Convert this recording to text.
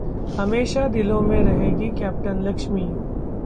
हमेशा दिलों में रहेंगी कैप्टन लक्ष्मी...